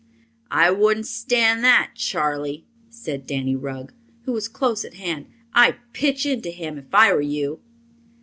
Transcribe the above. "I wouldn't stand that, Charley," said Danny Rugg, who was close at hand. "I'd pitch into him if I were you."